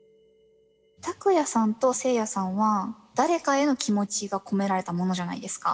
たくやさんとせいやさんは誰かへの気持ちが込められたものじゃないですか。